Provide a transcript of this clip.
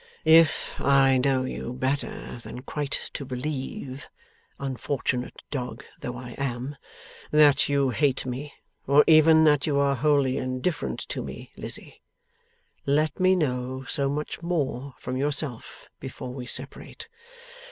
'If I know you better than quite to believe (unfortunate dog though I am!) that you hate me, or even that you are wholly indifferent to me, Lizzie, let me know so much more from yourself before we separate.